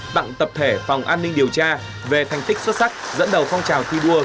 tặng tập thể phòng an ninh điều tra về thành tích xuất sắc dẫn đầu phong trào thi đua